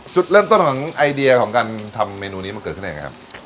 จุดเริ่มต้นนึงกับไลก์เดียของกันทำเมนูนี้มันเกิดขึ้นอย่างไรนะครับ